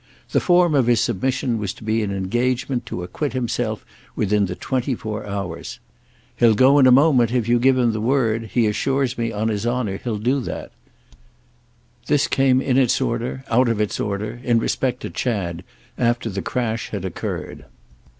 The form of his submission was to be an engagement to acquit himself within the twenty four hours. "He'll go in a moment if you give him the word—he assures me on his honour he'll do that": this came in its order, out of its order, in respect to Chad, after the crash had occurred.